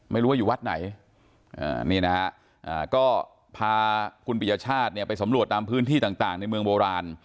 ไม่รู้ว่าอยู่วัดไหนนี่นะฮะก็พาคุณปิยชาติเนี่ยไปสำรวจตามพื้นที่ต่างในเมืองโบราณ